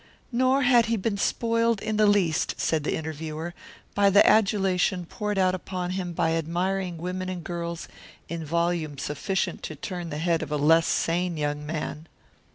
Nor had he been spoiled in the least, said the interviewer, by the adulation poured out upon him by admiring women and girls in volume sufficient to turn the head of a less sane young man.